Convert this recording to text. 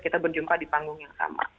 kita berjumpa di panggung yang sama